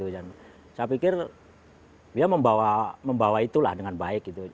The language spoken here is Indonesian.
saya pikir dia membawa itulah dengan baik gitu